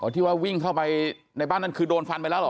ที่ว่าวิ่งเข้าไปในบ้านนั้นคือโดนฟันไปแล้วเหรอ